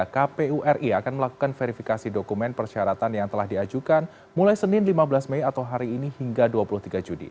kpu ri akan melakukan verifikasi dokumen persyaratan yang telah diajukan mulai senin lima belas mei atau hari ini hingga dua puluh tiga juni